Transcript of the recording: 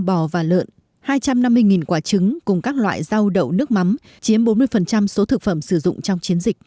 bò và lợn hai trăm năm mươi quả trứng cùng các loại rau đậu nước mắm chiếm bốn mươi số thực phẩm sử dụng trong chiến dịch